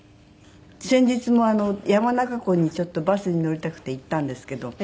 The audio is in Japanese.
先日も山中湖にちょっとバスに乗りたくて行ったんですけど。